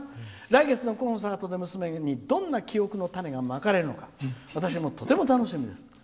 来月のコンサートで娘に、どんな記憶の種がまかれるのか、私もとても楽しみです」。